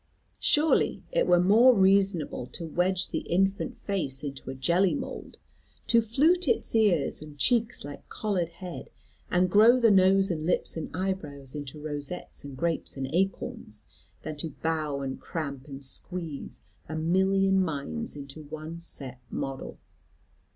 Surely it were more reasonable to wedge the infant face into a jelly mould, to flute its ears and cheeks like collared head, and grow the nose and lips and eyebrows into rosettes and grapes and acorns, than to bow and cramp and squeeze a million minds into one set model.